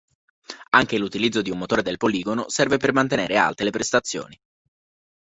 Anche l'utilizzo di un motore del poligono serve per mantenere alte le prestazioni.